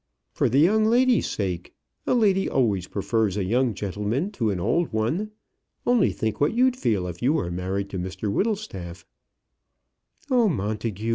"For the young lady's sake. A lady always prefers a young gentleman to an old one. Only think what you'd feel if you were married to Mr Whittlestaff." "Oh, Montagu!